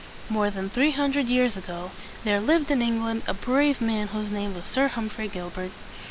More than three hundred years ago there lived in England a brave man whose name was Sir Humphrey Gil bert.